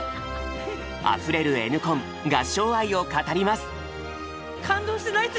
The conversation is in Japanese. あふれるＮコン合唱愛を語ります！